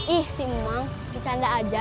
ih si emang bicanda aja